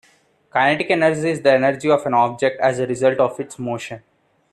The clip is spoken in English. Kinetic energy is the energy of an object as a result of its motion.